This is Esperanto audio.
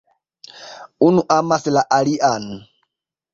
Unu amas la alian.